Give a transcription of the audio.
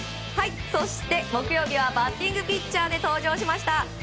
そして、木曜日はバッティングピッチャーで登場しました。